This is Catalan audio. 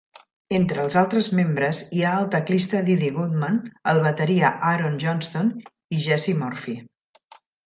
Entre els altres membres hi ha el teclista Didi Gutman, el bateria Aaron Johnston i Jesse Murphy.